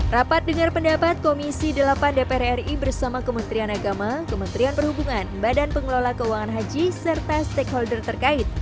rapat dengar pendapat komisi delapan dpr ri bersama kementerian agama kementerian perhubungan badan pengelola keuangan haji serta stakeholder terkait